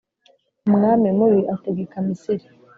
umwami mubi ategeka misiri